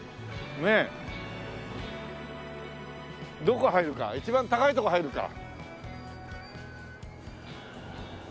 どこ入るか一番高いとこ入るか。